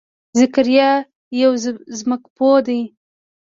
ذکریا یو ځمکپوه دی.